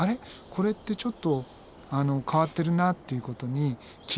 これってちょっと変わってるなっていうことに気がつく。